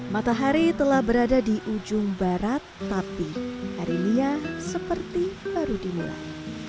matahari telah berada di ujung barat tapi hari nia seperti baru dimulai